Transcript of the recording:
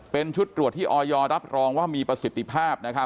เป็นชุดตรวจที่ออยรับรองว่ามีประสิทธิภาพ